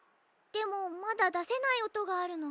でもまだだせないおとがあるの。